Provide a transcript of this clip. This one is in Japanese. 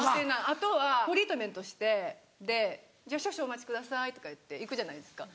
あとはトリートメントして「少々お待ちください」とか言って行くじゃないですか。